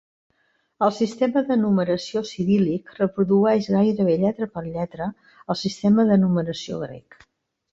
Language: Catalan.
El sistema de numeració ciríl·lic reprodueix gairebé lletra per lletra el sistema de numeració grec.